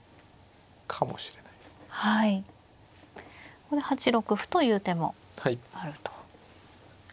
ここで８六歩という手もあると。